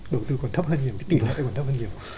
đầu tư còn thấp hơn nhiều cái tỷ lệ còn thấp hơn nhiều